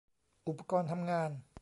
อุปกรณ์ทำงาน